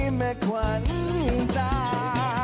มีแม่ควันตา